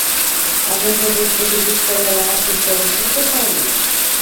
Avem dovezi potrivit cărora acestea există sau nu?